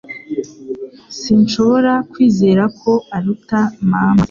Sinshobora kwizera ko aruta mama.